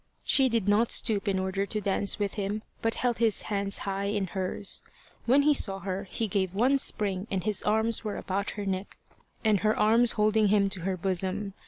She did not stoop in order to dance with him, but held his hands high in hers. When he saw her, he gave one spring, and his arms were about her neck, and her arms holding him to her bosom.